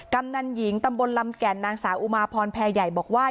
กำนันหญิงตำบลลำแก่นนางสาวอุมาพรแพรใหญ่บอกว่า